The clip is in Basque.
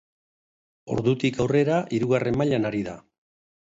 Ordutik aurrera hirugarren mailan ari da.